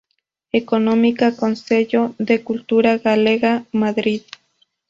Económica-Consello da Cultura Galega, Madrid.